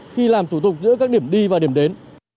khi làm thủ tục giữa các điểm đi và điểm đến